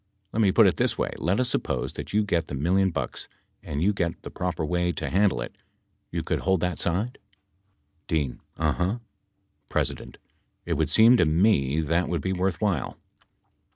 Let me put it this way : let us suppose that you get the million bucks, and you get the proper way to handle it. You could hold that side ? D. Uh, huh. P. It would seem to me that would be worthwhile, [p. 206] P.